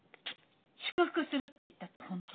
「祝福する」って言ったって本当？